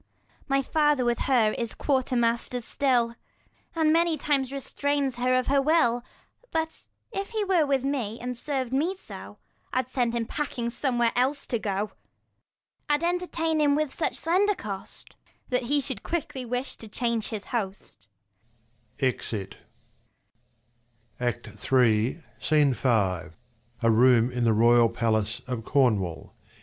My father with her is quarter master still, And many times restrains her of her will : But if he were with me, and serv'd me so, I 5 I'd send him packing somewhere else to go. I'd entertain him with such slender cost, That he should quickly wish to change his host. [Exit. Sc. v] HIS THREE DAUGHTERS 39 SCENE V. A room in the royal palace of Cornwall.